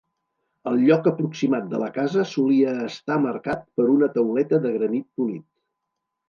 El lloc aproximat de la casa solia estar marcat per una tauleta de granit polit.